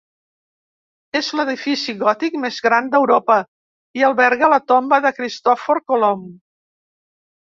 És l'edifici gòtic més gran d'Europa i alberga la tomba de Cristòfor Colom.